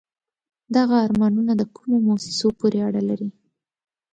دغه آرمانون د کومو موسسو پورې اړه لري؟